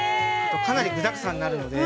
◆かなり具だくさんになるので。